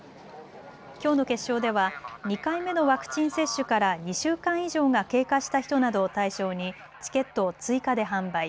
きょうの決勝では２回目のワクチン接種から２週間以上が経過した人などを対象にチケットを追加で販売。